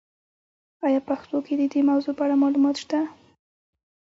آیا په پښتو کې د دې موضوع په اړه معلومات شته؟